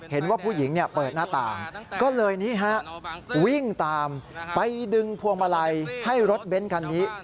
เห็นว่าผู้หญิงเปิดหน้าต่างก็เลยนี่ฮะวิ่งตามไปดึงพวงมาลัยให้รถเบ้นคันนี้